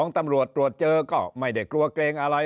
ตำรวจตรวจเจอก็ไม่ได้กลัวเกรงอะไร